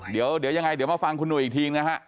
เดี๋ยวยังไงเดี๋ยวมาฟังคุณหุยอีกทีนะฮะ